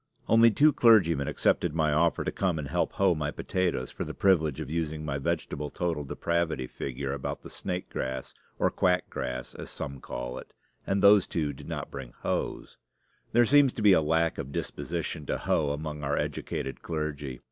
Only two clergymen accepted my offer to come and help hoe my potatoes for the privilege of using my vegetable total depravity figure about the snake grass, or quack grass, as some call it; and those two did not bring hoes. There seems to be a lack of disposition to hoe among our educated clergy.